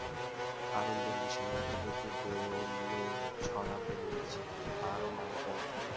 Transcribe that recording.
আনন্দের নেশায় এতটুকু গেঁয়ো মেয়ে ছড়া বলিয়াছে, তারও মানে চাই?